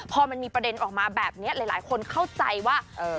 ซึ่งเจ้าตัวก็ยอมรับว่าเออก็คงจะเลี่ยงไม่ได้หรอกที่จะถูกมองว่าจับปลาสองมือ